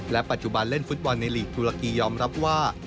ปัจจุบันเล่นฟุตบอลในลีกตุรกียอมรับว่า